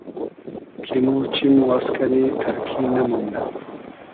کی مۉ چیم واز کئنی تئرکی نئمومنۂ